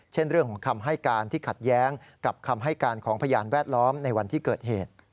เช่นเรื่องของคำให้การที่ขัดแย้งกับคำให้การของพยานแวดล้อมในวันที่เกิดเหตุ